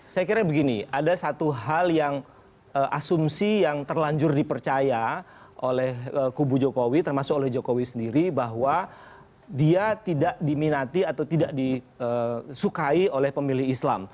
saya kira begini ada satu hal yang asumsi yang terlanjur dipercaya oleh kubu jokowi termasuk oleh jokowi sendiri bahwa dia tidak diminati atau tidak disukai oleh pemilih islam